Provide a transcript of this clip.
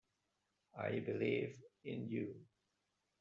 I believe in you.